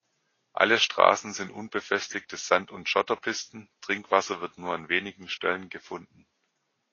Alle Straßen sind unbefestigte Sand- und Schotterpisten, Trinkwasser wird nur an wenigen Stellen gefunden.